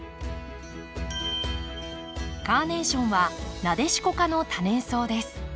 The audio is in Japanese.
カーネーションはナデシコ科の多年草です。